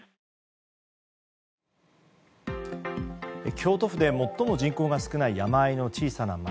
京都府で最も人口の少ない山間の小さな町。